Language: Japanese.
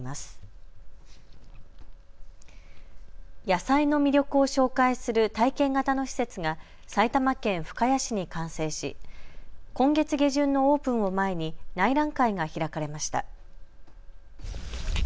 野菜の魅力を紹介する体験型の施設が埼玉県深谷市に完成し今月下旬のオープンを前に内覧会が開かれました。